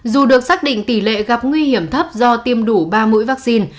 dù được xác định tỷ lệ gặp nguy hiểm thấp do tiêm đủ ba mũi vaccine